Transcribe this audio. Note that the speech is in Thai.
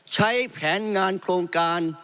ใช้แผนงานโครงการ